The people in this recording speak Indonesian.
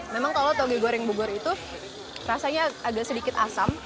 memang kalau toge goreng bogor itu rasanya agak sedikit asam